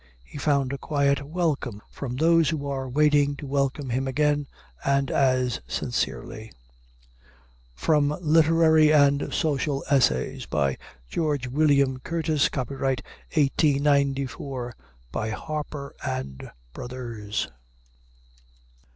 He found a quiet welcome from those who are waiting to welcome him again and as sincerely. [From Literary and Social Essays, by George William Curtis. Copyright, 1894, by Harper & Brothers.